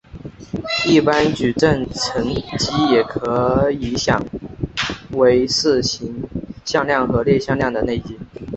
一般矩阵乘积也可以想为是行向量和列向量的内积。